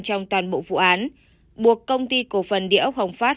trong toàn bộ vụ án buộc công ty cổ phần địa ốc hồng phát